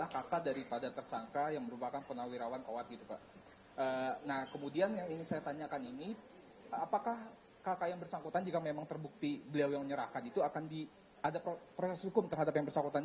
nanti pubétat ada temanitta